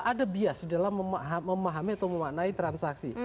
ada bias dalam memahami atau memaknai transaksi